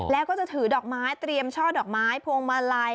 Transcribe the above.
แล้วก็จะถือดอกไม้เตรียมช่อดอกไม้พวงมาลัย